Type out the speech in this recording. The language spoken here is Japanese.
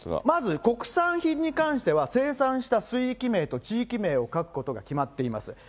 まず国産品に関しては、生産した水域名と地域名を書くことが決まっています。